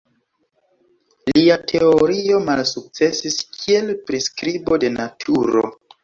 Lia teorio malsukcesis kiel priskribo de naturo.